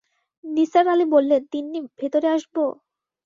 নিসার আলি বললেন, তিন্নি, ভেতরে আসব?